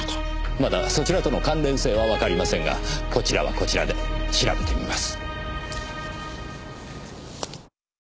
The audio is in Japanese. まだそちらとの関連性はわかりませんがこちらはこちらで調べてみます。